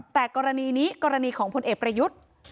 แต่กรณีนี้กรณีของพลเอกประยุทธ์